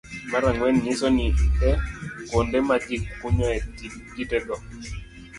Mar ang'wen nyiso ni; A. Kuonde ma ji kunyoe kitego